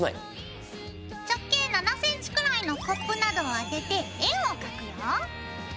直径７ｃｍくらいのコップなどを当てて円を描くよ。